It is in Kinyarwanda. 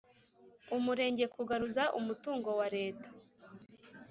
Umurenge kugaruza umutungo wa Leta